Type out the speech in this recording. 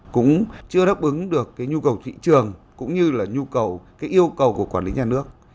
cũng chưa đáp ứng được cái nhu cầu thị trường cũng như là nhu cầu cái yêu cầu của quản lý nhà nước